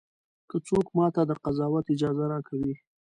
که څوک ماته د قضاوت اجازه راکوي.